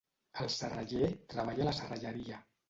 El serraller treballa a la serralleria.